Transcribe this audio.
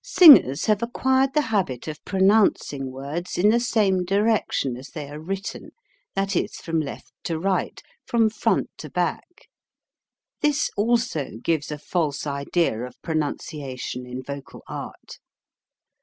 Singers have acquired the habit of pronounc ing words in the same direction as they are written, that is, from left to right, from front to back; this also gives a false idea of pro nunciation in vocal art.